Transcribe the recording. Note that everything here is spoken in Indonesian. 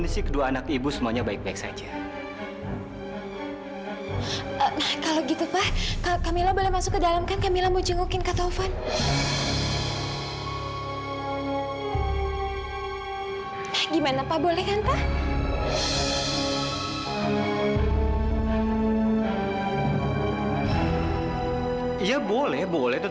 sampai jumpa di video selanjutnya